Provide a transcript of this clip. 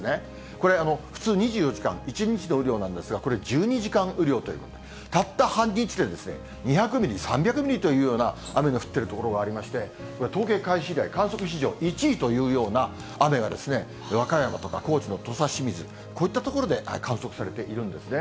これ、普通２４時間、１日の雨量なんですが、これ、１２時間雨量ということで、たった半日で２００ミリ、３００ミリというような雨の降っている所がありまして、統計開始以来、観測史上１位というような雨が、和歌山とか高知の土佐清水、こういった所で観測されているんですね。